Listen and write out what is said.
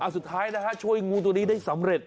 สุดท้ายนะฮะช่วยงูตัวนี้ได้สำเร็จ